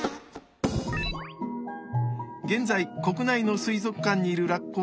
現在国内の水族館にいるラッコは３頭です。